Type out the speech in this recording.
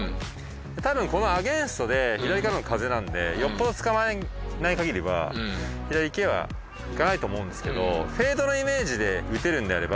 たぶんこのアゲインストで左からの風なんでよっぽどつかまえないかぎりは左池はいかないと思うんですけどフェードのイメージで打てるんであれば。